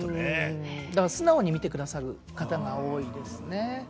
だから素直に見てくださる方が多いですね。